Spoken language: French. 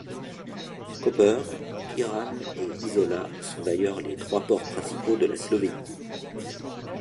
Koper, Piran et Izola sont d'ailleurs les trois ports principaux de la Slovénie.